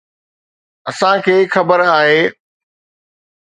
اسان کي خبر آهي.